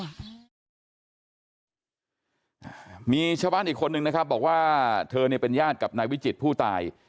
ชาวบ้านอีกคนนึงนะครับบอกว่าเธอเนี่ยเป็นญาติกับนายวิจิตรผู้ตาย